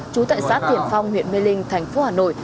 trú tại xã tiền phong huyện mê linh thành phố hà nội